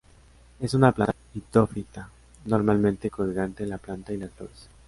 Es una planta litófita, normalmente colgante la planta y las flores.